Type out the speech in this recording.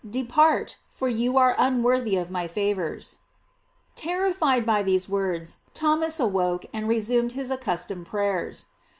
De part, for you are unworthy of my favors." Terrified by these words, Thomes awoke, and resumed his accustomed prayers.